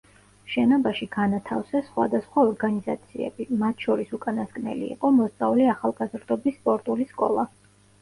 შენობაში განათავსეს სხვადასხვა ორგანიზაციები, მათ შორის უკანასკნელი იყო მოსწავლე-ახალგაზრდობის სპორტული სკოლა.